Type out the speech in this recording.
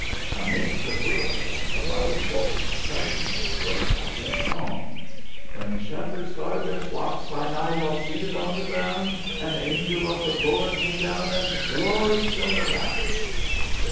Amid the whirl of it, a loud voice suddenly broke out in song: "When shepherds guard their flocks by night, All seated on the ground, An angel of the Lord came down And glory shone around."